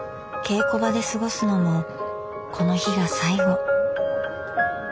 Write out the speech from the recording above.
稽古場で過ごすのもこの日が最後。